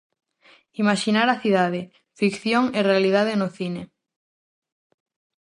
Imaxinar a cidade: Ficción e realidade no cine.